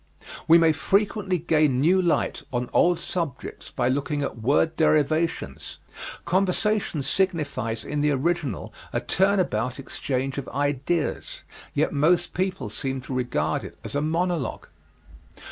We may frequently gain new light on old subjects by looking at word derivations. Conversation signifies in the original a turn about exchange of ideas, yet most people seem to regard it as a monologue.